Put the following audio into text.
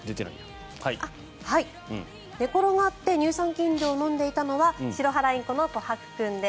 寝転がって乳酸菌飲料を飲んでいたのはシロハラインコの琥珀君です。